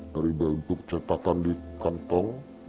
dari bentuk cetakan di kantong